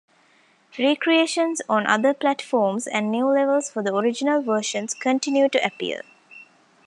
Recreations on other platforms, and new levels for the original versions continue to appear.